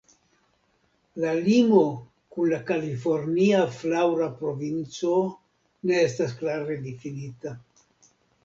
La limo kun la Kalifornia Flaŭra Provinco ne estas klare difinita.